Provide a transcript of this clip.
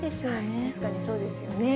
確かにそうですよね。